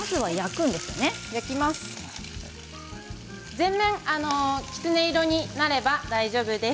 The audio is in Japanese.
全面きつね色になれば大丈夫です。